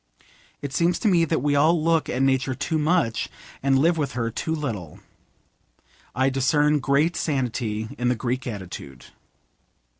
It seems to me that we all look at Nature too much, and live with her too little. I discern great sanity in the Greek attitude.